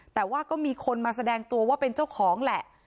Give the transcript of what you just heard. แต่ว่าก็มีคนมาแสดงตัวว่าเป็นเจ้าของแหละ